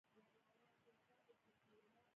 د ب ډله دې لاندې جملې ته انکشاف ورکړي.